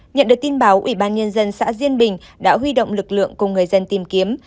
nhận được tin báo ủy ban nhân dân xã diên bình đã huy động lực lượng cùng người dân tìm kiếm